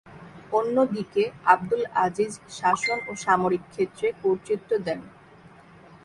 অন্যদিকে আবদুল আজিজ শাসন ও সামরিক ক্ষেত্রে কর্তৃত্ব দেন।